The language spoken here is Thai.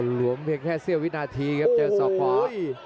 หลวงเพียงแค่เสี้ยววินาทีครับเจอศอกขวา